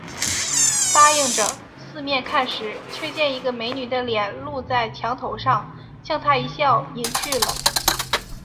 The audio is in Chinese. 答应着，四面看时，却见一个美女的脸露在墙头上，向他一笑，隐去了